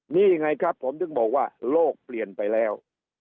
นี่ไงครับผมถึงบอกว่าโลกเปลี่ยนไปแล้ว